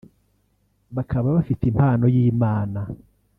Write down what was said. bakaba bafite impano y'Imana